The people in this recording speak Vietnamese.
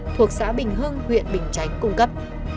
thuộc xã bình hưng huyện bình chánh cung cấp